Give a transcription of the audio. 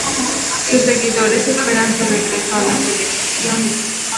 Sus seguidores esperan su regreso a la televisión.